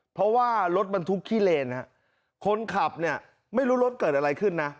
เพราะว่ารถบรรทุกขี้เลนคนขับเนี่ยไม่รู้รถเกิดอะไรขึ้นนะ